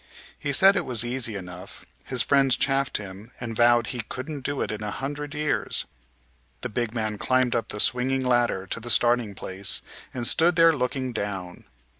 He said it was easy enough. His friends chaffed him and vowed he "couldn't do it in a hundred years." The big man climbed up the swinging ladder to the starting place, and stood there looking down.